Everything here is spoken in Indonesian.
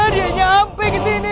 dia nyampe ke sini